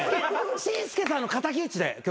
紳助さんの敵討ちで今日来ました。